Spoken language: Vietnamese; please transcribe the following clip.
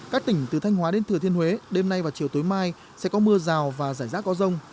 các tỉnh từ thanh hóa đến thừa thiên huế đêm nay và chiều tối mai sẽ có mưa rào và rải rác có rông